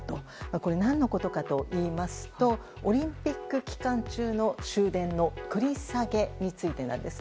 これ、何のことかといいますとオリンピック期間中の終電の繰り下げについてなんです。